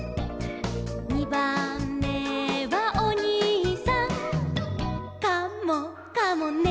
「にばんめはおにいさん」「カモかもね」